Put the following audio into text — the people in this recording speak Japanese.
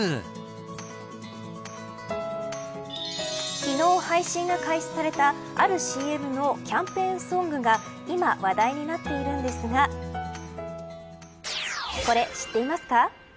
昨日、配信が開始されたあるＣＭのキャンペーンソングが今、話題になっているんですがこれ、知っていますか。